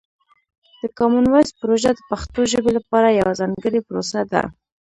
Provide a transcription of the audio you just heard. د کامن وایس پروژه د پښتو ژبې لپاره یوه ځانګړې پروسه ده.